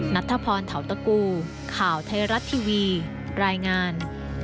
นัทธพรเทาตะกูข่าวไทยรัฐทีวีรายงาน